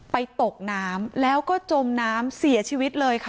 ตกน้ำแล้วก็จมน้ำเสียชีวิตเลยค่ะ